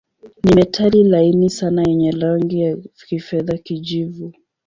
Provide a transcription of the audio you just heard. Ni metali laini sana yenye rangi ya kifedha-kijivu.